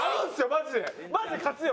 マジで勝つよ！